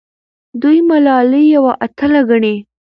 دوی ملالۍ یوه اتله ګڼي.